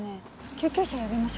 救急車呼びましょうか。